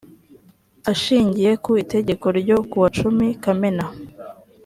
ashingiye ku itegeko n ryo kuwa cumi kamena